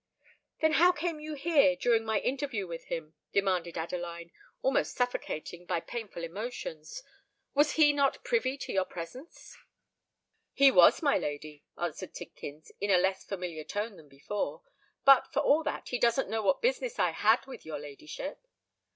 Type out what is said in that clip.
"Then how came you here during my interview with him?" demanded Adeline, almost suffocated by painful emotions. "Was he not privy to your presence?" "He was, my lady," answered Tidkins, in a less familiar tone than before: "but, for all that, he doesn't know what business I had with your ladyship."